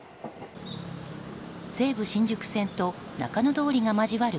西武新宿線と中野通りが交わる